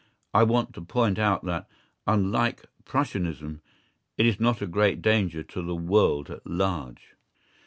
I want to point out that, unlike Prussianism, it is not a great danger to the world at large.